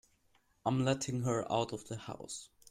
I'm letting her out of the house.